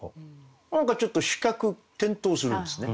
何かちょっと視覚転倒するんですね。